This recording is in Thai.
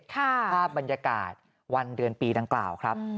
ภาพบรรยากาศวันเดือนปีดังกล่าวครับ